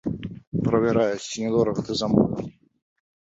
Правяраюць, ці не дорага ты замовіў.